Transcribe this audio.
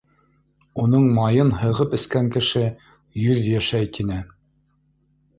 Уның майын һығып эскән кеше йөҙ йәшәй, тине.